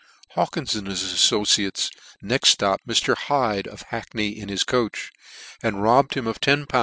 Hawkins and his afTociar.es next ftoppedMr. Hide of Hackney in his coach, and robbed him of lol.